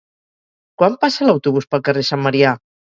Quan passa l'autobús pel carrer Sant Marià?